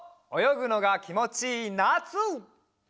およぐのがきもちいいなつ！